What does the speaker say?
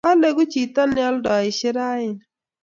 Aleku chito ne aldoisie rauni